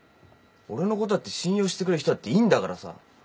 俺のことだって信用してくれる人だっていんだからさ。